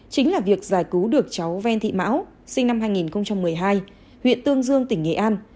chính là việc giải cứu được cháu ven thị mão sinh năm hai nghìn một mươi hai huyện tương dương tỉnh nghệ an